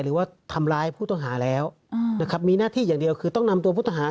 หรือว่าทำร้ายผู้ต้องหาแล้วนะครับมีหน้าที่อย่างเดียวคือต้องนำตัวผู้ต้องหา